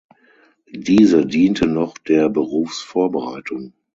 Diese diente noch der Berufsvorbereitung.